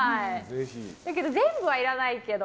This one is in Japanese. だけど全部はいらないけど。